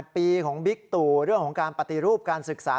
ปีของบิ๊กตู่เรื่องของการปฏิรูปการศึกษา